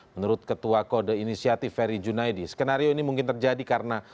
menurut ketua kode inisiatif ferry junaidi skenario ini mungkin terjadi karena